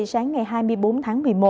sáng ngày hai mươi bốn tháng một mươi một